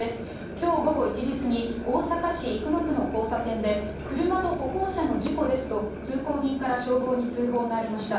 きょう午後１時過ぎ、大阪市生野区の交差点で、車と歩行者の事故ですと、通行人から消防に通報がありました。